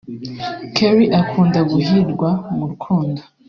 Kelly akunda guhirwa mu rukundo